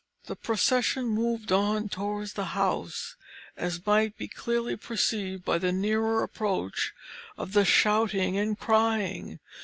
The procession moved on towards the house, as might be clearly perceived by the nearer approach of the shouting and crying.